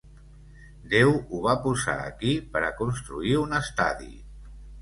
Déu ho va posar aquí per a construir un estadi.